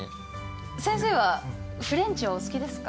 先生はフレンチはお好きですか？